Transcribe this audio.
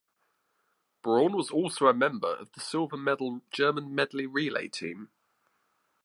Braun was also a member of the silver medal German medley relay team.